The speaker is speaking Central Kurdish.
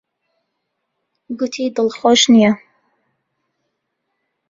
گوتی دڵخۆش نییە.